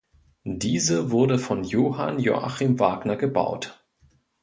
Diese wurde von Johann Joachim Wagner gebaut.